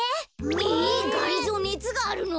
えっがりぞーねつがあるの？